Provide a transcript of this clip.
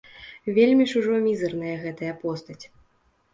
Вельмі ж ужо мізэрная гэтая постаць.